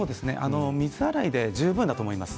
水洗いで十分だと思います。